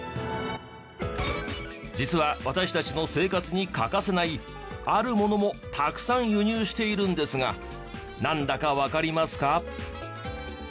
実は私たちの生活に欠かせないあるものもたくさん輸入しているんですがなんだかわかりますか？